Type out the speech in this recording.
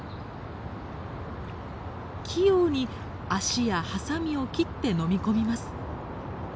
器用に足やハサミを切って飲み込みます。